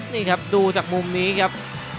นี่ครับดูจากมุมนี้ครับ